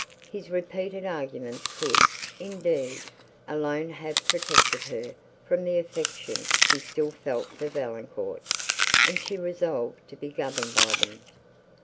His repeated arguments could, indeed, alone have protected her from the affection she still felt for Valancourt, and she resolved to be governed by them.